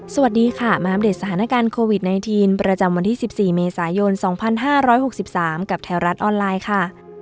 สวัสดีค่ะมาอัปเดตสถานการณ์โควิด๑๙ประจำวันที่๑๔เมษายน๒๕๖๓กับแถวรัฐออนไลน์ค่ะ